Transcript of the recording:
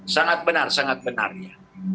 sangat benar sangat benar ya